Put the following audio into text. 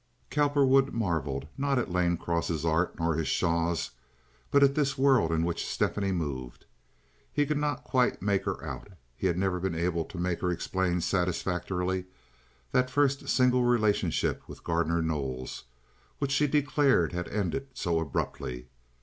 Cowperwood marveled, not at Lane Cross's art nor his shawls, but at this world in which Stephanie moved. He could not quite make her out. He had never been able to make her explain satisfactorily that first single relationship with Gardner Knowles, which she declared had ended so abruptly.